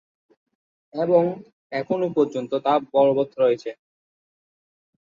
এবং এখনো পর্যন্ত তা বলবৎ রয়েছে।